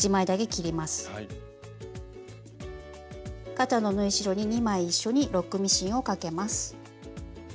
肩の縫い代に２枚一緒にロックミシンをかけます。